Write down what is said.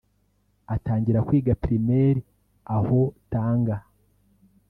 atangira kwiga primaire aho Tanga